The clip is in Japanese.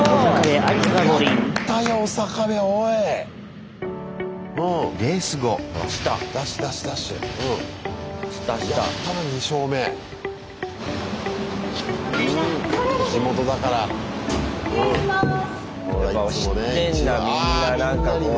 やっぱ知ってんだみんななんかこうね。